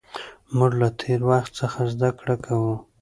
موږ له تېر وخت څخه زده کړه کوو.